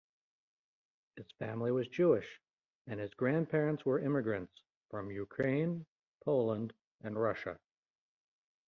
His family was Jewish, and his grandparents were immigrants from Ukraine, Poland, and Russia.